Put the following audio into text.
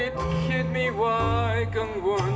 เพลงที่๑๐ทรงโปรด